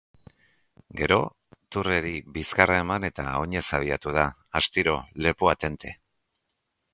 Gero Toureri bizkarra eman eta oinez abiatu da, astiro, lepoa tente.